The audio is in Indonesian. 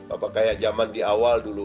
apa kayak zaman di awal dulu